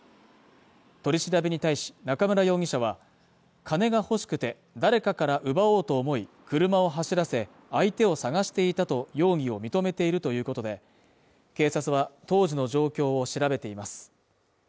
取り調べに対し中村容疑者は、金が欲しくて、誰かから奪おうと思い、車を走らせ、相手を探していたと容疑を認めているということで、警察は当時の状況を調べています。